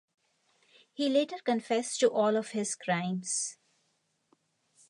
He later confessed to all of his crimes.